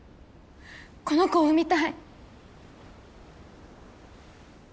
この子を産みたい。